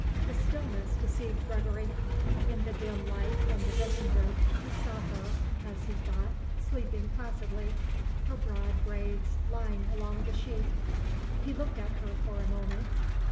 The stillness deceived Gregory. In the dim light from the dressing room he saw her, as he thought, sleeping placidly, her broad braids lying along the sheet. He looked at her for a moment.